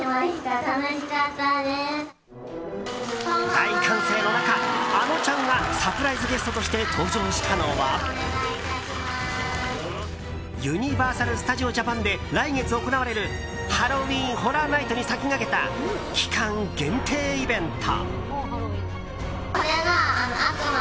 大歓声の中、あのちゃんがサプライズゲストとして登場したのはユニバーサル・スタジオ・ジャパンで来月行われるハロウィーン・ホラー・ナイトに先駆けた期間限定イベント。